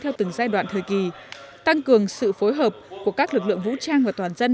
theo từng giai đoạn thời kỳ tăng cường sự phối hợp của các lực lượng vũ trang và toàn dân